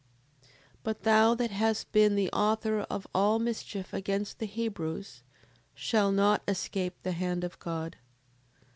7:31. But thou that hast been the author of all mischief against the Hebrews, shalt not escape the hand of God.